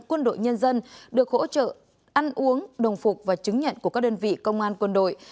quân đội nhân dân được hỗ trợ ăn uống đồng phục và chứng nhận của các đơn vị công an quân đội